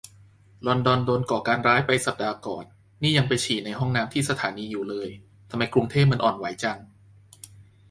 ลอนดอนโดนก่อการร้ายไปสัปดาห์ก่อน นี่ยังไปฉี่ในห้องน้ำที่สถานีอยู่เลย ทำไมกรุงเทพมันอ่อนไหวจัง